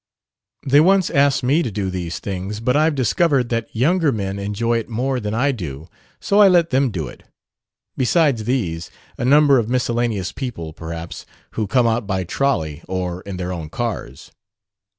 They once asked me to do these things; but I've discovered that younger men enjoy it more than I do, so I let them do it. Besides these, a number of miscellaneous people, perhaps, who come out by trolley or in their own cars."